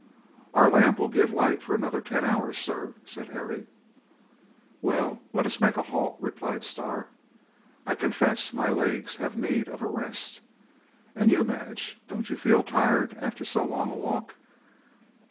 "Our lamp will give light for another ten hours, sir," said Harry. "Well, let us make a halt," replied Starr; "I confess my legs have need of a rest. And you, Madge, don't you feel tired after so long a walk?"